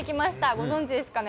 ご存じですかね？